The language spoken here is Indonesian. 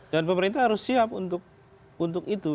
dan pemerintah harus siap untuk itu